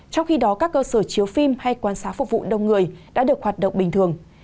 trong khi đó các cơ sở chiếu phim hay quan xá phục vụ đông người đã được hoạt động bình thường